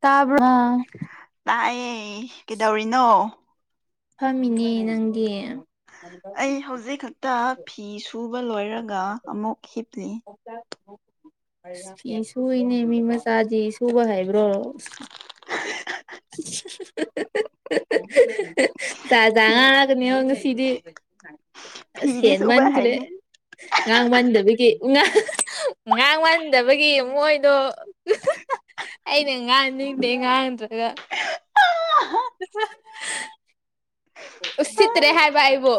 ꯇꯥꯕꯔ ꯇꯥꯏꯌꯦ ꯀꯩꯗꯧꯔꯤꯅꯣ ꯐꯝꯃꯤꯅꯦ ꯅꯪꯗꯤ ꯑꯩ ꯍꯧꯖꯤꯛ ꯈꯛꯇ ꯐꯤ ꯁꯨꯕ ꯂꯣꯏꯔꯒ ꯑꯃꯨꯛ ꯍꯤꯞꯂꯤ ꯐꯤ ꯁꯨꯏꯅꯦ ꯃꯤ ꯃꯆꯥꯗꯤ ꯁꯨꯕ ꯍꯩꯕꯔꫭ [unintelligible] ꯐꯤ ꯆꯖꯉꯒꯅꯤ [unintelligible] ꯁꯤꯗꯤ ꯑꯁ ꯐꯤꯗꯤ ꯍꯦꯟ ꯁꯨꯕ ꯃꯟꯈ꯭ꯔꯦ ꯍꯩꯌꯦ ꯉꯥꯡ ꯃꯟꯗꯕꯒꯤ ꯉꯥꯡ ꯉꯥꯡ ꯃꯟꯗꯕꯒꯤ ꯃꯣꯏꯗꯣ ꯑꯩꯅ ꯉꯥꯡꯅꯤꯡꯗꯦ ꯉꯥꯡꯗ꯭ꯔꯒ ꯑ [unintelligible] ꯎꯁꯤꯠ ꯇꯔꯦ ꯍꯥꯏꯕ ꯑꯩꯕꯨ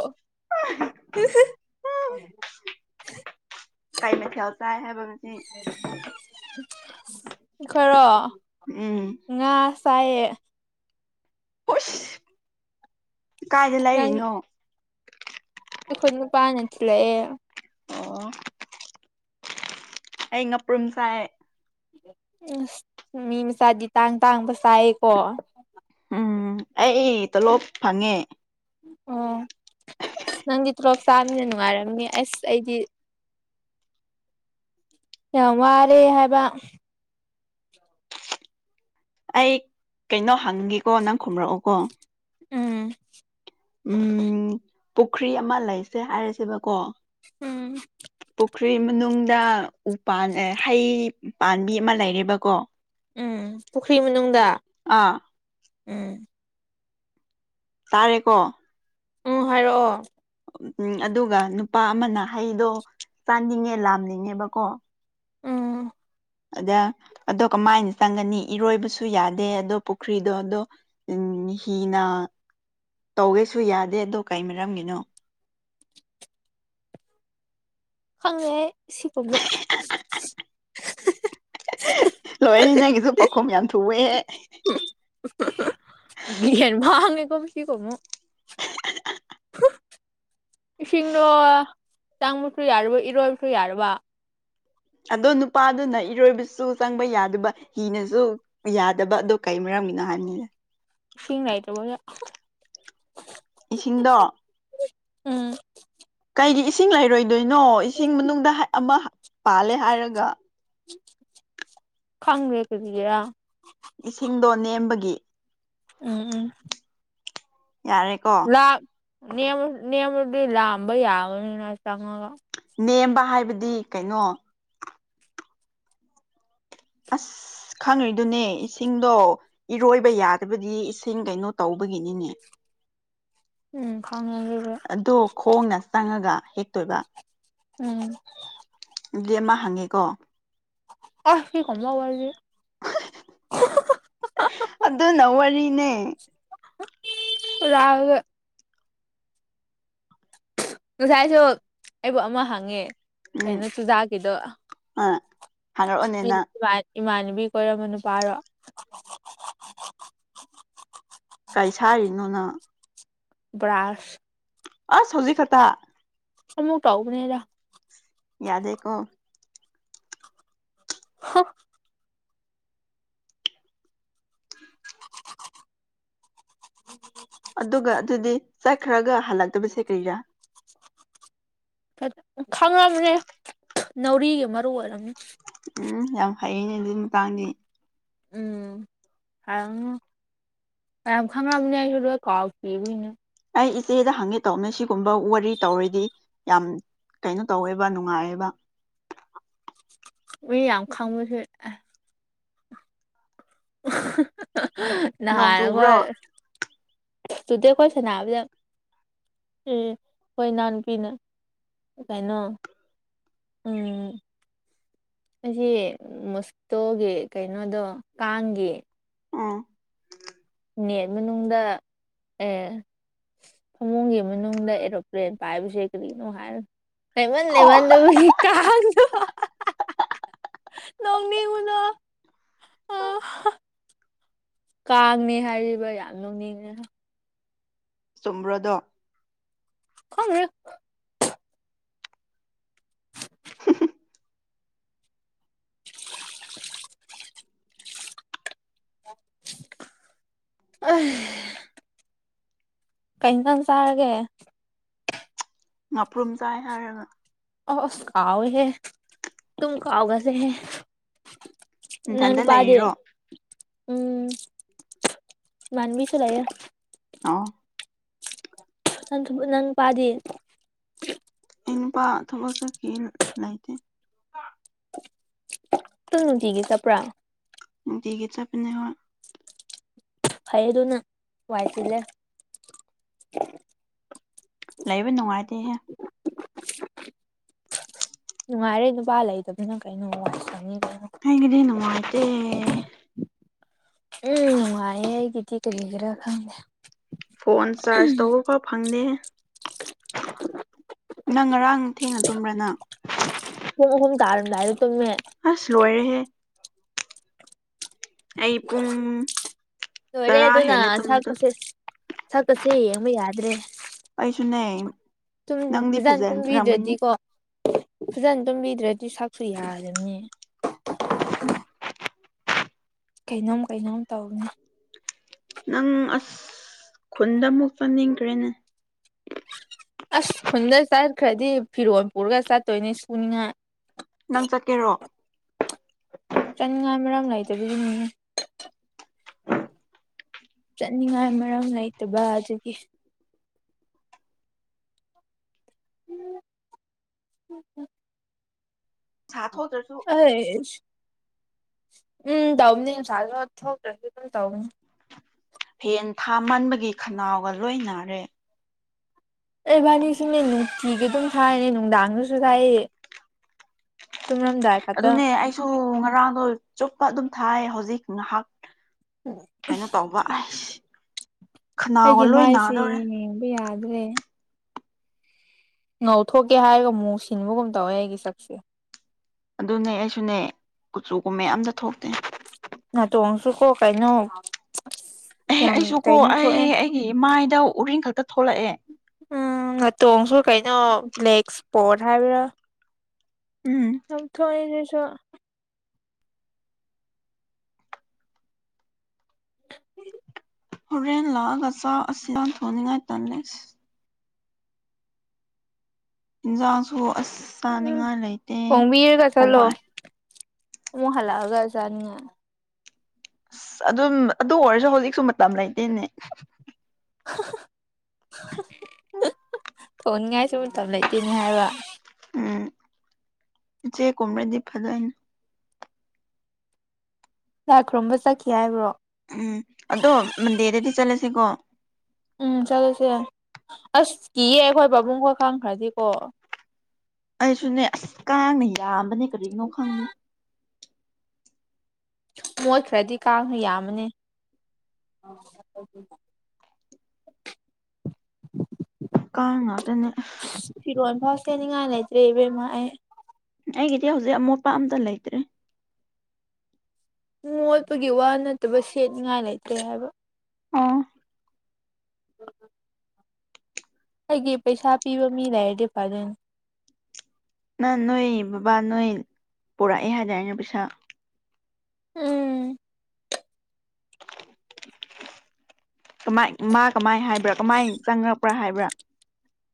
ꯀꯩ ꯃꯊꯦꯜ ꯆꯥꯏ ꯍꯥꯏꯕ ꯉꯁꯤ ꯑꯩꯈꫭꯏꯔꫭ ꯎꯝ ꯉꯥ ꯆꯥꯏꯌꯦ ꯀꯥꯏꯗꯩ ꯅꯪ ꯂꯩꯔꯤꯅꯣ ꯑꯩꯈꯣꯏ ꯅꯨꯄꯥꯅ ꯊꯤꯜꯂꯛꯑꯦ ꯑꯣ ꯑꯩ ꯉꯄ꯭ꯔꯨꯝ ꯆꯥꯏ ꯑꯁ ꯃꯤ ꯃꯆꯥꯗꯤ ꯇꯥꯡ ꯇꯥꯡꯕ ꯆꯥꯏꯌꯦꯀꯣ ꯎꯝ ꯑꯩ ꯇꯣꯂꯣꯞ ꯐꯪꯉꯦ ꯑꯣ ꯅꯪꯗꯤ ꯇꫭꯂꯣꯞ ꯆꯥꯃꯤꯅ ꯅꯨꯡꯉꯥꯏꯔꯝꯅꯤ ꯑꯁ ꯑꯩꯗꯤ ꯌꯥꯝ ꯋꯥꯔꯦ ꯍꯥꯏꯕ ꯑꯩ ꯀꯩꯅꯣ ꯍꯪꯒꯦꯀꯣ ꯅꯪ ꯈꯨꯝꯔꯛꯎꯀꯣ ꯎꯝ ꯎꯝ ꯄꯨꯈ꯭ꯔꯤ ꯑꯃ ꯂꯩꯁꯦ ꯍꯥꯏꯔꯁꯦꯕꯀꯣ ꯎꯝ ꯄꯨꯈ꯭ꯔꯤ ꯃꯅꯨꯡꯗ ꯎꯄꯥꯟ ꯍꯩ ꯄꯥꯝꯕꯤ ꯑꯃ ꯂꯩꯔꯦꯕꯀꯣ ꯎꯝ ꯄꯨꯈ꯭ꯔꯤ ꯃꯅꯨꯡꯗ ꯑꯥ ꯎꯝ ꯇꯥꯔꯦꯀꯣ ꯎ ꯍꯥꯏꯔꯛꯑꯣ ꯎꯝ ꯑꯗꯨꯒ ꯅꯨꯄꯥ ꯑꯃꯅ ꯍꯩꯗꯣ ꯆꯥꯅꯤꯡꯉꯦ ꯂꯥꯝꯅꯤꯡꯉꯦꯕꯀꯣ ꯎꯝ ꯑꯗ ꯑꯗꯣ ꯀꯃꯥꯏꯅ ꯆꯪꯒꯅꯤ ꯏꯔꯣꯏꯕꯁꯨ ꯌꯥꯗꯦ ꯑꯗꯣ ꯄꯨꯈ꯭ꯔꯤꯗꯣ ꯑꯗꯣ ꯎꯝ ꯍꯤꯅ ꯇꯧꯒꯦꯁꯨ ꯌꯥꯗꯦ ꯑꯗꯣ ꯀꯩ ꯃꯔꯝꯒꯤꯅꯣ ꯈꯪꯉꯦ ꯁꯤꯒꯨꯝꯕ ꯂꯣꯏꯑꯦ ꯅꯪꯒꯤꯗꯣ ꯄꯥꯈꯨꯝ ꯌꯥꯝ ꯊꯨꯑꯦ [unintelligible] [inaudible] [unintelligible] ꯏꯁꯤꯡꯗꯣ ꯆꯥꯡꯕꯁꯨ ꯌꯥꯗꯕ ꯏꯔꯣꯏꯕꯁꯨ ꯌꯥꯗꯕ ꯑꯗꯣ ꯅꯨꯄꯥꯗꯨꯅ ꯏꯔꯣꯏꯕꯁꯨ ꯆꯪꯕ ꯌꯥꯗꯕ ꯍꯤꯅꯁꯨ ꯌꯥꯗꯕ ꯑꯗꯣ ꯀꯩ ꯃꯔꯝꯒꯤꯅꯣ ꯍꯥꯏꯝꯅꯤꯅꯦ ꯏꯁꯤꯡ ꯂꯩꯇꯕꯒꯤ ꯏꯁꯤꯡꯗꯣ ꯎꯝ ꯀꯩꯒꯤ ꯏꯁꯤꯡ ꯂꯩꯔꯣꯏꯗꯣꯏꯅꯣ ꯏꯁꯤꯡ ꯃꯅꯨꯡꯗ ꯑꯃ ꯄꯥꯜꯂꯦ ꯍꯥꯏꯔꯒ ꯈꯪꯗꯦ ꯀꯔꯤꯒꯤꯔ ꯏꯁꯤꯡꯗꯣ ꯅꯦꯝꯕꯒꯤ ꯎꯝ ꯎꯝ ꯌꯥꯔꯦ ꯀꯣ ꯅꯦ ꯅꯦꯃꯗꯤ ꯂꯝꯕ ꯌꯥꯒꯅꯤꯅ ꯆꯪꯉꯒ ꯅꯦꯝꯕ ꯍꯥꯏꯕꯗꯤ ꯀꯩꯅꯣ ꯑꯁ ꯈꯪꯉꯔꯤꯗꯨꯅꯦ ꯏꯁꯤꯡꯗꯣ ꯏꯔꯣꯏꯕ ꯌꯥꯗꯕꯗꯤ ꯏꯁꯤꯡ ꯀꯩꯅꯣ ꯇꯧꯕꯒꯤꯅꯤꯅꯦ ꯎꯝ ꯈꯪꯉꯦ ꯑꯗꯨꯗꯤ ꯑꯗꯣ ꯈꯣꯡꯅ ꯆꯪꯉꯒ ꯍꯦꯛꯇꯣꯏꯕ ꯎꯝ ꯗꯤ ꯑꯃ ꯍꯪꯉꯦꯀꯣ ꯑꯁ ꯁꯤꯒꯨꯝꯕ ꯋꯥꯔꯤꯁꯦ ꯑꯗꯨꯅ ꯋꯥꯔꯤꯅꯦ ꯔꯒ ꯉꯁꯥꯏꯁꯨ ꯑꯩꯕꯨ ꯑꯃ ꯍꯪꯉꯦ ꯎꯝ ꯑꯩꯅ ꯆꯨꯖꯥꯛꯀꯤꯗꯣ ꯑꯥ ꯍꯥꯏꯔꯛꯑꯣꯅꯦ ꯅꯪ ꯏꯃꯥꯟꯅꯕꯤ ꯀꯣꯏꯔꯝꯃ ꯅꯨꯄꯥꯔꯣ ꯀꯩ ꯁꯥꯏꯔꯤꯅꯣ ꯅꯪ ꯕ꯭ꯔꯥꯁ ꯑꯁ ꯍꯧꯖꯤꯛ ꯈꯠꯇ ꯑꯃꯨꯛ ꯇꯧꯕꯅꯤꯗ ꯌꯥꯗꯦꯀꯣ ꯍ ꯑꯗꯨꯒ ꯑꯗꯨꯗꯤ ꯆꯠꯈ꯭ꯔꯒ ꯍꯜꯂꯛꯇꯕꯁꯦ ꯀꯔꯤꯔꯥ ꯈꯪꯉꯕꯅꯦ ꯅꯥꯎꯔꯤꯒꯤ ꯃꯔꯨ ꯑꯣꯏꯔꯝꯅꯤ ꯎꯝ ꯌꯥꯝ ꯍꯩꯅꯦ ꯑꯗꯨꯏ ꯃꯇꯥꯡꯗꯤ ꯎꯝ ꯍꯩꯝꯅꯦ ꯌꯥꯝ ꯈꯪꯉꯕꯅꯦ ꯑꯩꯁꯨꯗꯣ ꯀꯥꯎꯈꯤꯕꯅꯦ ꯑꯩ ꯏꯆꯦꯗ ꯍꯪꯉꯦ ꯇꯧꯅꯦ ꯁꯤꯒꯨꯝꯕ ꯋꯥꯔꯤ ꯇꯧꯔꯗꯤ ꯌꯥꯝ ꯀꯩꯅꯣ ꯇꯧꯋꯦꯕ ꯅꯨꯡꯉꯥꯏꯑꯕ ꯔꯤ ꯌꯥꯝ ꯈꯪꯕꯁꯦ ꯅꯣꯡ ꯆꯨꯕ꯭ꯔꯣ ꯅꯍꯥꯟꯈꯣꯏ ꯇꯨꯗꯦ ꯑꯩꯈꯣꯏ ꯁꯥꯟꯅꯕꯗ ꯎꯝ ꯑꯩꯈꯣꯏ ꯏꯅꯥꯎꯄꯤꯅ ꯀꯩꯅꯣ ꯎꯝ ꯑꯩꯁꯤ ꯃꯣꯁꯇꯣꯒꯤ ꯀꯩꯅꯣꯗꯣ ꯀꯥꯡꯒꯤ ꯎꯝ ꯅꯦꯠ ꯃꯅꯨꯡꯗ ꯑꯦ ꯐꯃꯨꯡꯒꯤ ꯃꯅꯨꯡꯗ ꯑꯦꯔꯣꯄ꯭ꯂꯦꯟ ꯄꯥꯏꯕꯁꯦ ꯀꯔꯤꯅꯣ ꯍꯥꯏ ꯑꯣ [unintelligible] ꯅꯣꯛꯅꯤꯡꯕꯗꯣ ꯀꯥꯡꯅꯦ ꯍꯥꯏꯔꯤꯕ ꯌꯥꯝ ꯅꯣꯛꯅꯤꯡꯉꯦꯍꯦ ꯆꯨꯝꯕ꯭ꯔꯥꯗꯣ ꯈꯪꯗꯦꯗꯥ [unintelligible] ꯑꯩ ꯀꯩ ꯏꯟꯖꯥꯡ ꯆꯔꯒꯦ ꯉꯥꯄ꯭ꯔꯨꯝ ꯆꯥꯏ ꯍꯥꯏꯔꯒ ꯑꯣ ꯑꯁ ꯀꯥꯎꯋꯤ ꯍꯦ ꯇꯨꯝ ꯀꯥꯎꯒꯜꯂꯦ ꯍꯦ ꯅꯪ ꯅꯊꯟꯗ ꯅꯨꯄꯥꯗꯤ ꯂꯩꯔꯤꯔꯣ ꯎꯝ ꯏꯃꯟꯅꯕꯤꯁꯨ ꯂꯩꯌꯦ ꯑꯣ ꯑꯗꯨ ꯅꯪ ꯄꯥꯗꯦ ꯑꯩ ꯅꯨꯄꯥ ꯊꯕꯛ ꯆꯠꯈꯤ ꯂꯩꯇꯦ ꯑꯗꯨꯝ ꯅꯨꯡꯇꯤꯒꯤ ꯆꯠꯄ꯭ꯔꯥ ꯅꯨꯡꯇꯤꯒꯤ ꯆꯠꯄꯅꯦ ꯍꯣ ꯍꯩꯌꯨꯗꯨꯅ ꯋꯥꯏ ꯆꯤꯜꯂꯦ ꯂꯩꯕ ꯅꯨꯡꯉꯥꯏꯇꯦꯍꯦ [unintelligible] ꯅꯨꯡꯉꯥꯏꯔꯦ ꯅꯨꯄꯥ ꯂꯩꯇꯕꯅ ꯀꯩꯅꯣ ꯋꯥꯏ ꯁꯪꯉꯦ ꯑꯩꯒꯤꯗꯤ ꯅꯨꯡꯉꯥꯏꯇꯦ ꯎꯝ ꯅꯨꯡꯉꯥꯏꯌꯦ ꯑꯩꯒꯤꯗꯤ ꯀꯔꯤꯒꯤꯔ ꯈꯪꯗꯦ ꯐꯣꯟ ꯆꯥꯔꯖ ꯇꯧꯕ ꯐꯥꯎ ꯐꯪꯗꯦꯍꯦ ꯅꯪ ꯉꯔꯥꯡ ꯊꯦꯡꯅ ꯇꯨꯝꯕ꯭ꯔꯥ ꯅꯪ ꯄꯨꯡ ꯑꯍꯨꯝ ꯇꯥꯔꯝꯗꯥꯏ ꯇꯨꯝꯃꯦ ꯑꯁ ꯂꯣꯏꯔꯦꯍꯦ ꯑꯩ ꯄꯨꯡ ꯂꯣꯏꯔꯦ ꯇꯔꯥ ꯑꯗꯨꯅ ꯍꯦꯜꯂꯦ ꯇꯨꯝꯕꯗꯣ ꯁꯛꯀꯁꯦ ꯁꯛꯀꯁꯦ ꯌꯦꯡꯕ ꯌꯥꯗ꯭ꯔꯦ ꯑꯩꯁꯨꯅꯦ ꯅꯪꯗꯤ ꯄꯖꯥꯅ ꯐꯖꯔꯝꯒꯅꯤ ꯇꯨꯝꯕꯤꯗ꯭ꯔꯗꯤꯀꯣ ꯐꯖꯅ ꯇꯨꯝꯕꯤꯗ꯭ꯔꯗꯤ ꯁꯛꯁꯨ ꯌꯥꯗꯕꯅꯦ ꯎꯝ ꯀꯩꯅꯣꯝ ꯀꯩꯅꯣꯝ ꯇꯧꯕꯅꯦ ꯅꯪ ꯑꯁ ꯈꯨꯟꯗ ꯑꯃꯨꯛ ꯆꯪꯅꯤꯡꯈ꯭ꯔꯦꯅꯦ ꯑꯁ ꯈꯨꯟꯗ ꯆꯠꯈ꯭ꯔꯗꯤ ꯐꯤꯔꯣꯜ ꯄꯨꯔꯒ ꯆꯠꯇꯣꯏꯅꯤ ꯁꯨꯅꯤꯉꯥꯏ ꯅꯪ ꯆꯠꯀꯦꯔꯣ ꯆꯥꯅꯤꯡꯉꯥꯏ ꯃꯔꯥꯡꯝ ꯂꯩꯏꯇꯕꯤꯅꯦꯍꯦ ꯆꯠꯅꯤꯡꯉꯥꯏ ꯃꯔꯝ ꯂꯩꯇꯕ ꯑꯗꯨꯒꯤ [unintelligible] ꯁꯥꯊꯣꯛꯗ꯭ꯔꯁꯨ ꯑꯁ ꯎꯝ ꯇꯧꯕꯅꯤ ꯉꯥꯁꯥꯏꯁꯨ ꯊꯣꯛꯇꯔꯗꯤ ꯑꯗꯨꯝ ꯇꯧꯕꯅꯤ ꯐꯦꯟ ꯊꯥ ꯃꯟꯕꯒꯤ ꯈꯅꯥꯎꯒ ꯂꯣꯏꯅꯔꯦ ꯑꯦꯕꯥꯅꯤ ꯁꯨꯅꯦ ꯅꯨꯡꯇꯤꯒꯤ ꯑꯗꯨꯝ ꯊꯥꯏꯔꯦ ꯅꯨꯡꯗꯥꯡꯗꯁꯨ ꯊꯥꯏꯌꯦ ꯑꯗꯨꯅꯦ ꯑꯩꯁꯨ ꯉꯔꯥꯡꯗꯣ ꯆꯨꯞꯄ ꯑꯗꯨꯝ ꯊꯥꯏ ꯍꯧꯖꯤꯛ ꯉꯥꯏꯍꯥꯛ ꯀꯩꯅꯣ ꯇꯧꯕ ꯑꯁ ꯑꯩꯒꯤ ꯃꯥꯏꯁꯤ ꯌꯦ ꯌꯦꯡꯕ ꯌꯥꯗ꯭ꯔꯦ ꯉꯧꯊꯣꯛꯀꯦ ꯍꯥꯏꯔꯒ ꯃꯨ ꯁꯤꯟꯕꯒꯨꯝ ꯇꯧꯋꯦ ꯑꯩꯒꯤ ꯁꯛꯁꯦ ꯑꯗꯨꯅꯦ ꯑꯩꯁꯨꯅꯦ ꯀꯨꯆꯨ ꯀꯨꯃꯦꯟ ꯑꯝꯇ ꯊꯣꯛꯇꯦ ꯅꯥꯇꯣꯟꯁꯨ ꯀꯣ ꯀꯩꯅꯣ ꯑꯦ ꯌꯥꯝ ꯑꯩꯁꯨꯀꯣ ꯀꯩꯅꯣ ꯑꯩ ꯊꯣꯛꯑꯦ ꯑꯩꯒꯤ ꯏꯃꯥꯏꯗ ꯎꯔꯤꯡ ꯈꯛꯇ ꯊꯣꯛꯂꯛꯑꯦ ꯎꯝ ꯅꯇꯣꯡꯁꯨ ꯀꯩꯅꯣ ꯕ꯭ꯂꯦꯛꯁ ꯄꯣꯔ ꯍꯥꯏꯕ꯭ꯔꯥ ꯎꯝ ꯗꯨꯝ ꯊꯣꯛꯑꯦ ꯑꯗꯨꯁꯨ ꯍꯣꯔꯦꯟ ꯂꯥꯛꯑꯒ ꯆꯥꯛ ꯑꯁꯤ [unintelligible] ꯊꯣꯛꯅꯤꯡꯉꯥꯏ ꯇꯜꯂꯦ ꯑꯁ ꯏꯟꯖꯥꯡ ꯁꯨ ꯑꯁ ꯎꯝ ꯆꯥꯅꯤꯡꯉꯥꯏ ꯂꯩꯇꯦ ꯊꯣꯡꯕꯤꯔꯒ ꯆꯠꯂꯣ ꯍꯋꯥꯏ ꯑꯃꯨꯛ ꯍꯜꯂꯛꯑꯒ ꯆꯥꯅꯤꯡ ꯉꯥꯏ ꯑꯁ ꯑꯗꯨꯝ ꯑꯗꯨ ꯑꯣꯏꯔꯁꯨ ꯍꯧꯖꯤꯛꯁꯨ ꯃꯇꯝ ꯂꯩꯇꯦꯅꯦ [inaudible] ꯊꯣꯡꯅꯤꯡ ꯉꯥꯏꯁꯨ ꯃꯇꯝ ꯂꯩꯇꯦꯅꯦ ꯍꯥꯏꯕ ꯎꯝ ꯎꯆꯦꯛ ꯀꯨꯝꯔꯗꯤ ꯐꯗꯣꯏꯅꯤ ꯂꯥꯏ ꯈꯨꯔꯨꯝꯕ ꯆꯠꯈꯤ ꯍꯥꯏꯕ꯭ꯔꯣ ꯎꯝ ꯑꯗꯣ ꯃꯟꯗꯦꯗꯗꯤ ꯆꯠꯂꯁꯤ ꯀꯣ ꯎꯝ ꯆꯠꯂꯨꯁꯦ ꯑꯁ ꯀꯤꯌꯦ ꯑꯩꯈꯣꯏ ꯄꯥꯕꯨꯡ ꯈꯣꯏ ꯈꯪꯈ꯭ꯔꯗꯤ ꯀꯣ ꯑꯩꯁꯨꯅꯦ ꯑꯁ ꯀꯥꯡꯅ ꯌꯥꯝꯕꯅꯦ ꯀꯔꯤꯅꯣ ꯈꯪꯗꯦ ꯃꯣꯠꯈ꯭ꯔꯗꯤ ꯀꯥꯡꯅ ꯌꯥꯝꯕꯅꯦ ꯀꯥꯡ ꯉꯥꯛꯇꯅꯦ ꯏꯁ ꯐꯤꯔꯣꯟ ꯐꯥꯎ ꯁꯦꯠꯅꯤꯡꯉꯥꯏ ꯂꯩꯇ꯭ꯔꯦ ꯏꯕꯦꯝꯃ ꯑꯩ ꯑꯩꯒꯤꯗꯤ ꯍꯧꯖꯤꯛ ꯑꯃꯣꯠꯄ ꯑꯝꯇ ꯂꯩꯇ꯭ꯔꯦ ꯃꯣꯠꯄꯒꯤ ꯋꯥ ꯅꯠꯇꯕ ꯁꯦꯠꯅꯤꯡꯉꯥꯏ ꯂꯩꯇ꯭ꯔꯦ ꯍꯥꯏꯕ ꯑꯣ ꯑꯩꯒꯤ ꯄꯩꯁꯥ ꯄꯤꯕ ꯃꯤ ꯂꯩꯔꯗꯤ ꯐꯗꯣꯏꯅꯤ ꯅ ꯅꯣꯏ ꯕꯕꯥ ꯅꯣꯏ ꯄꯨꯔꯛꯑꯦ ꯍꯥꯏꯗꯥꯏꯅꯦ ꯄꯩꯁꯥ ꯎꯝ ꯀꯃꯥꯏ ꯃꯥ ꯀꯃꯥꯏ ꯍꯥꯏꯕ꯭ꯔꯥ ꯀꯃꯥꯏ ꯆꯪꯉꯛꯄ꯭ꯔꯥ ꯍꯥꯏꯕ꯭ꯔꯥ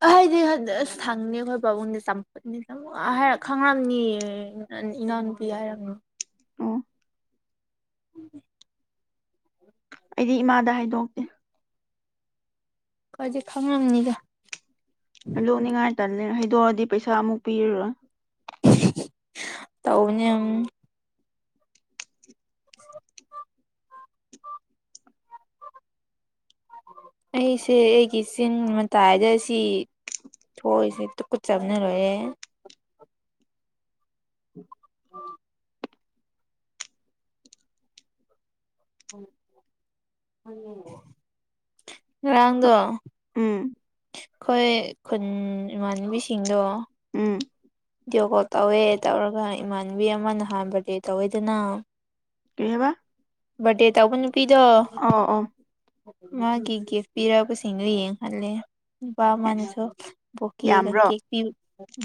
ꯑ ꯍꯥꯏꯗꯤ ꯑꯁ ꯊꯪꯅꯤ ꯑꯩꯈꯣꯏ ꯄꯥꯕꯨꯡꯅꯦ ꯆꯝꯐꯨꯠꯅꯤ [unintelligible] ꯍꯥꯏꯔ ꯈꯪꯔꯝꯅꯤꯌꯦ ꯅ ꯏꯅꯥꯎ ꯅꯨꯄꯤ ꯍꯥꯏꯔꯝꯃꯤ ꯑꯣ ꯎꯝ ꯑꯩꯗꯤ ꯏꯃꯥꯗ ꯍꯥꯏꯗꯣꯛꯇꯦ ꯈꯖꯤꯛ ꯈꯪꯂꯝꯅꯤꯗ ꯍꯥꯏꯗꯣꯛꯅꯤꯡ ꯉꯥꯏꯇꯅꯦ ꯍꯩꯗꯣꯛ ꯑꯗꯤ ꯄꯩꯁꯥ ꯑꯃꯨꯛ ꯄꯤꯔꯔꯣꯏ ꯇꯧꯕꯅꯦ ꯎꯟ [inaudible] ꯑꯩꯁꯦ ꯑꯩꯒꯤ ꯆꯤꯟ ꯃꯇꯥꯏꯗ ꯁꯤ ꯊꯣꯛꯏꯁꯦ ꯇꯨꯀꯨꯠꯆꯕꯅ ꯂꯣꯏꯔꯦ ꯎꯝ ꯍꯌꯦꯡ ꯕꯣ ꯉꯔꯥꯥꯡ ꯗꯣ ꯎꯝ ꯈꯣꯏ ꯈꯨꯟ ꯏꯃꯥꯟꯅꯕꯤ ꯁꯤꯡꯗꯣ ꯎꯝ ꯚꯤꯗꯤꯑꯣ ꯀꯣꯜ ꯇꯧꯋꯦ ꯇꯧꯔꯒ ꯏꯃꯥꯟꯅꯕꯤ ꯑꯃ ꯅꯍꯥꯟ ꯕꯔꯗꯦ ꯇꯧꯋꯦꯗꯅ ꯀꯩ ꯍꯥꯏꯕ ꯕꯔꯗꯦ ꯇꯧꯕ ꯅꯨꯄꯤꯗꯣ ꯑꯧ ꯑꯧ ꯃꯥꯒꯤ ꯒꯤꯐ ꯄꯤꯔꯛꯄ ꯁꯤꯡꯗꯨ ꯌꯦꯡ ꯍꯜꯂꯦ ꯅꯨꯄꯥ ꯑꯁ ꯑꯃꯅꯥꯁꯨ ꯕꯣꯀꯦꯒ ꯌꯥꯝꯕ꯭ꯔꯣ ꯀꯦꯛ ꯄꯤ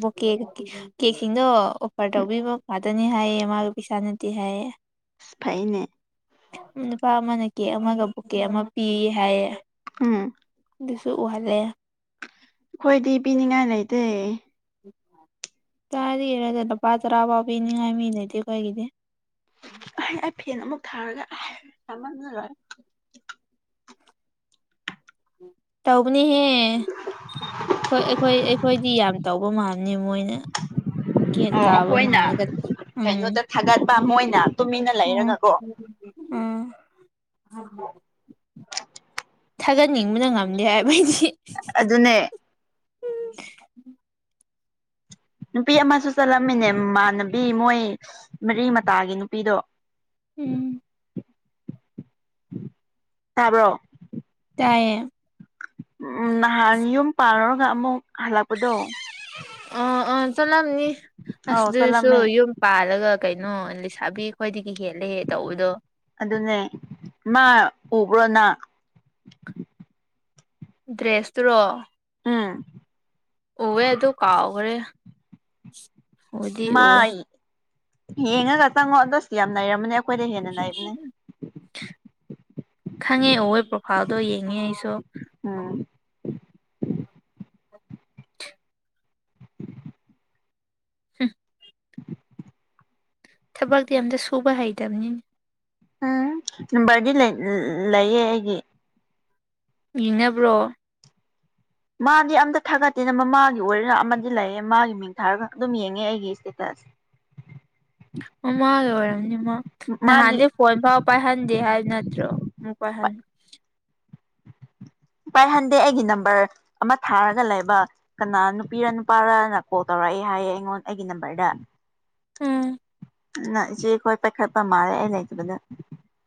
ꯕꯣꯀꯦꯒ ꯀꯦ ꯀꯦꯛꯁꯤꯡꯗꯣ ꯑꯣꯐꯔ ꯎꯝ ꯇꯧꯕꯤꯕ ꯉꯥꯛꯇꯥꯅꯤ ꯍꯥꯏꯌꯦ ꯃꯥꯒ ꯄꯩꯁꯥ ꯅꯠꯇꯦ ꯍꯥꯏꯌꯦ ꯏꯁ ꯐꯩꯅꯦ ꯎꯝ ꯅꯨꯄꯥ ꯑꯃꯅ ꯀꯦꯛ ꯑꯃꯒ ꯕꯨꯀꯦ ꯑꯃ ꯄꯤ ꯍꯥꯏꯌꯦ ꯎꯝ ꯑꯗꯨꯁꯨ ꯎꯍꯜꯂꯦ ꯑꯩꯈꯣꯏꯗꯤ ꯄꯤꯅꯤꯡꯉꯥꯏ ꯂꯩꯇꯦ ꯆꯥꯔꯤꯔꯗꯤ ꯂꯨꯄꯥ ꯇꯔꯥ ꯐꯥꯎ ꯄꯤꯅꯤꯡꯉꯥꯏ ꯃꯤ ꯂꯩꯇꯦ ꯑꯩꯈꯣꯏꯒꯤꯗꯤ ꯑꯩ ꯐꯦꯟ ꯑꯃꯨꯛ ꯊꯥꯔꯒ ꯁꯃꯟꯗꯅ ꯇꯧꯕꯅꯤꯍꯦ ꯍꯣꯏ ꯑꯩꯈꯣꯏ ꯑꯩꯈꯣꯏꯗꯤ ꯌꯥꯝ ꯇꯧꯕ ꯃꯥꯅꯤ ꯃꯣꯏꯅ ꯀ ꯑꯣ ꯇꯥꯕ ꯑꯩꯈꯣꯏꯅ ꯃꯥꯜꯂꯒ ꯎꯝ ꯀꯩꯅꯣꯗ ꯊꯥꯒꯠꯄ ꯃꯣꯏꯅ ꯇꯨꯃꯤꯟꯅ ꯎꯝ ꯂꯩꯔꯒꯀꯣ ꯎꯝ ꯊꯥꯒꯠꯅꯤꯡꯕꯅ ꯉꯝꯗꯦ ꯍꯥꯏꯕꯩꯗꯤ ꯑꯗꯨꯅꯦ ꯅꯨꯄꯤ ꯑꯃꯁꯨ ꯆꯠꯂꯝꯃꯤꯅꯦ ꯃꯃꯥꯟꯅꯕꯤ ꯃꯣꯏ ꯃꯔꯤ ꯃꯇꯥꯒꯤ ꯅꯨꯄꯤꯗꯣ ꯎꯝ ꯇꯥꯕ꯭ꯔꯣ ꯇꯥꯏꯌꯦ ꯎꯝ ꯅꯍꯥꯟ ꯌꯨꯝ ꯄꯥꯟꯂꯨꯔꯒ ꯑꯃꯨꯛ ꯍꯜꯂꯛꯄꯗꯣ ꯑ ꯑ ꯆꯠꯂꯝꯅꯤ ꯑꯧ ꯑꯁꯗꯁꯨ ꯆꯠꯂꯝꯃꯦ ꯌꯨꯝ ꯄꯥꯜꯂꯒ ꯀꯩꯅꯣ ꯂꯩꯁꯥꯕꯤ ꯑꯩꯈꯣꯏꯗꯒꯤ ꯍꯦꯜꯂꯦꯍꯦ ꯇꯧꯕꯗꯣ ꯑꯗꯨꯅꯦ ꯃꯥ ꯎꯕ꯭ꯔꯣ ꯅꯪ ꯗ꯭ꯔꯦꯁꯇꯨꯔꯣ ꯎꯝ ꯎꯋꯤ ꯑꯗꯨ ꯀꯥꯎꯈ꯭ꯔꯦ ꯎꯗꯤ ꯃꯥ ꯎꯋꯦ ꯌꯦꯡꯉꯒ ꯆꯪꯉꯣ ꯑꯗꯨ ꯁꯤꯗꯤ ꯌꯥꯝ ꯂꯩꯔꯝꯃꯅꯦ ꯈꯪꯉꯦ ꯎꯌꯦ ꯄ꯭ꯔꯣꯐꯥꯏꯜꯗꯣ ꯌꯦꯡꯉꯦ ꯑꯩꯁꯨ ꯎꯝ ꯍꯝ ꯊꯕꯛꯇꯤ ꯑꯝꯇ ꯁꯨꯕ ꯍꯩꯇꯕꯅꯤꯅ ꯎꯝ ꯅꯝꯕꯔꯗꯤ ꯂꯩꯌꯦ ꯑꯩꯒꯤ ꯌꯦꯡꯅꯕ꯭ꯔꯣ ꯃꯥꯗꯤ ꯑꯝꯇ ꯊꯥꯒꯠꯇꯦꯅ ꯃꯃꯥꯒꯤ ꯑꯣꯏꯔꯅ ꯑꯃꯗꯤ ꯂꯩꯌꯦ ꯃꯥꯒꯤ ꯃꯤ ꯊꯔ ꯑꯗꯨꯝ ꯌꯦꯡꯉꯦ ꯑꯩꯒꯤ ꯏꯁꯇꯦꯇꯁ ꯑꯣꯃꯒ ꯑꯣꯏꯔꯝꯅꯤ ꯃꯥ ꯃꯥꯒꯤ ꯅꯍꯥꯟꯅꯤ ꯐꯣꯟ ꯐꯥꯎ ꯄꯥꯏꯍꯟꯗꯦ ꯍꯥꯏꯕ ꯅꯠꯇ꯭ꯔꯣ ꯑꯃꯨꯛ ꯄꯥꯏꯍꯟ ꯄꯥꯏꯍꯟꯗꯦ ꯑꯩꯒꯤ ꯅꯝꯕꯔ ꯑꯃ ꯊꯥꯔꯒ ꯂꯩꯕ ꯀꯅꯥ ꯅꯨꯄꯤꯔ ꯅꯨꯄꯥꯔꯅ ꯀꯣꯜ ꯇꯧꯔꯛꯑꯦ ꯍꯥꯏꯌꯦ ꯑꯩꯉꯣꯟ ꯑꯩꯒꯤ ꯅꯝꯕꯔꯗ ꯎꯝ ꯏꯆꯦꯈꯣꯏ ꯄꯥꯏꯈꯠꯄ ꯃꯥꯜꯂꯦ ꯑꯩ ꯂꯩꯇꯕꯗ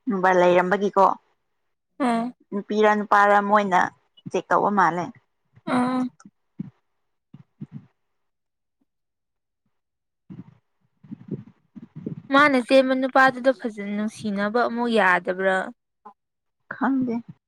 ꯅꯨꯡꯕꯥ ꯂꯩꯔꯝꯕꯒꯤꯀꯣ ꯎꯝ ꯅꯨꯄꯤꯔ ꯅꯨꯄꯥꯔ ꯃꯣꯏꯅ ꯆꯦꯛ ꯇꯧꯕ ꯃꯥꯜꯂꯦ ꯎꯝ ꯃꯥꯅ ꯆꯦꯟꯕ ꯅꯨꯄꯥꯗꯨꯗ ꯐꯖꯅ ꯅꯨꯡꯁꯤꯅꯕ ꯑꯃꯨꯛ ꯌꯥꯗꯕ꯭ꯔꯥ ꯈꯪꯗꯦ